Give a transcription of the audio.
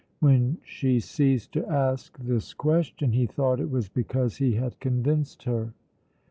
When she ceased to ask this question he thought it was because he had convinced her.